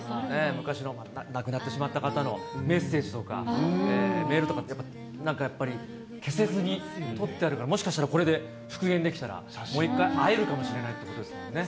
昔の亡くなってしまった方のメッセージとか、メールとかって、やっぱり、なんかやっぱり、消せずにとってあるから、もしかしたらこれで復元できたら、もう一回会えるかもしれないってことですもんね。